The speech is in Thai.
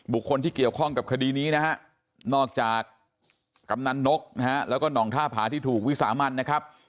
บุคคลที่เกี่ยวข้องกับคดีนี้นะฮะนอกจากกำนันนกนะฮะแล้วก็หน่องท่าผาที่ถูกวิสามันนะครับ